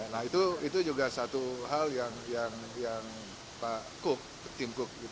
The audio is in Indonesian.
nah itu juga satu hal yang pak kup tim kuk